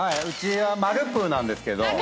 うちはマルプーなんですけど。